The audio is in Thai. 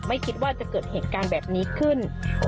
ไม่คิดว่าจะเกิดเหตุการณ์แบบนี้ขึ้น